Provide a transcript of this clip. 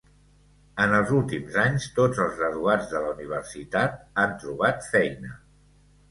En els últims anys, tots els graduats de la universitat han trobat feina.